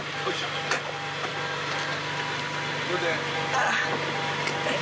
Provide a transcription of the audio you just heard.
ああ。